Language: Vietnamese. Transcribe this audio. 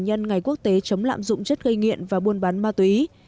nhân ngày quốc tế chống lạm dụng chất gây nghiện và buôn bán ma túy